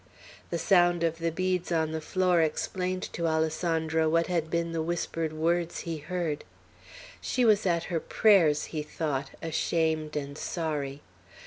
The sound of the beads on the floor explained to Alessandro what had been the whispered words he heard. "She was at her prayers," he thought, ashamed and sorry.